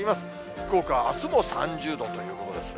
福岡はあすも３０度ということですね。